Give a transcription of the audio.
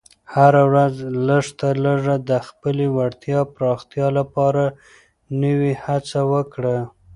هره ورځ لږ تر لږه د خپلې وړتیا پراختیا لپاره نوې هڅه وکړه.